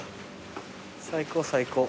最高最高。